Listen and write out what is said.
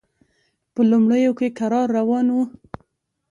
په لومړیو کې کرار روان و.